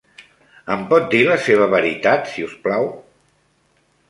Em pot dir la seva veritat, si us plau?